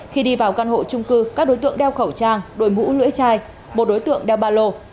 khi đi vào căn hộ trung cư các đối tượng đeo khẩu trang đổi mũ lưỡi chai một đối tượng đeo ba lô